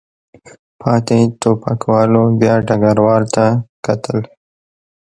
پاتې ټوپکوالو بیا ډګروال ته کتل.